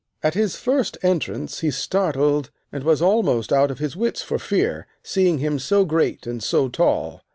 At his first entrance he startled, and was almost out of his wits for fear, seeing him so great and so tall.